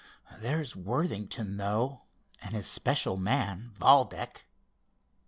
"There's Worthington, though, and his special man, Valdec."